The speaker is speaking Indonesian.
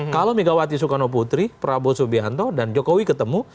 kalau megawati soekarno putri prabowo subianto dan jokowi ketemu